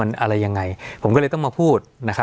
สวัสดีครับทุกผู้ชม